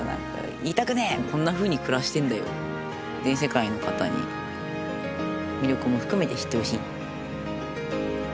全世界の方に魅力も含めて知ってほしい。